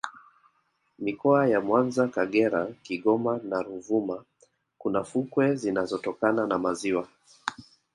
mikoa ya mwanza kagera kigoma na ruvuma Kuna fukwe zinazotokana na maziwa